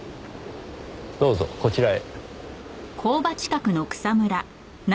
どうぞこちらへ。